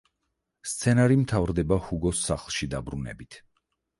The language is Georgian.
სცენარი მთავრდება ჰუგოს სახლში დაბრუნებით.